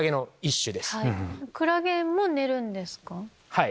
はい。